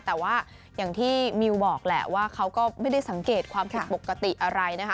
แต่ว่าอย่างที่มิวบอกแหละว่าเขาก็ไม่ได้สังเกตความผิดปกติอะไรนะคะ